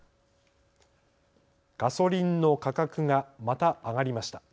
ガソリンの価格がまた上がりました。